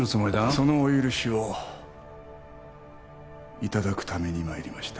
そのお許しをいただくために参りました